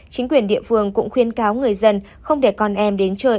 chính quyền địa phương cũng khuyên cáo người dân không để con em đến chơi